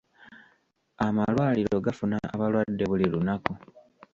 Amalwaliro gafuna abalwadde buli lunaku.